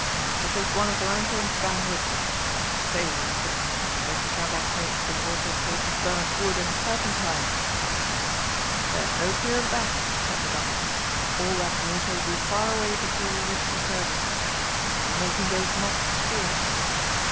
I shall take one of the lanthorns down with me. Say, young Chris, I hope we shan't have made the water taste of burnt wood and turpentine." "There's no fear of that," said the doctor; "all that water will be far away before you reach the surface. Are you making those knots sure?"